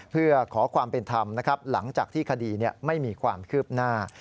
เพื่อขอความเป็นธรรมนะครับหลังจากที่คดีไม่มีความคืบหน้า